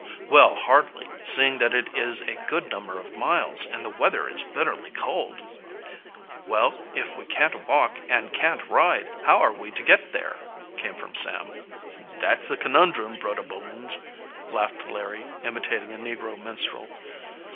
"Well, hardly, seeing that it is a good number of miles and the weather is bitterly cold." "Well, if we can't walk and can't ride, how are we to get there?" came from Sam. "That's the conundrum, Brudder Bones," laughed Larry, imitating a negro minstrel.